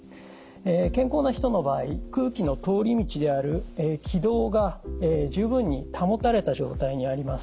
健康な人の場合空気の通り道である気道が十分に保たれた状態にあります。